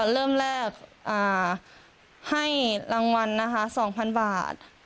เริ่มแรกให้รางวัลนะคะ๒๐๐๐บาท